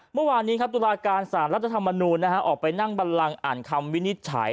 เมื่อวานนี้ครับตุลาการสารรัฐธรรมนูลออกไปนั่งบันลังอ่านคำวินิจฉัย